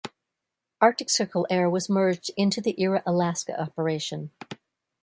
Arctic Circle Air was merged into the Era Alaska operation.